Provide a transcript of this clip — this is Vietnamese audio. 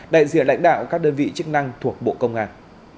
đại diện lãnh đạo các đơn vị chức năng thuộc bộ công an